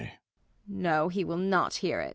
No, he will not hear it.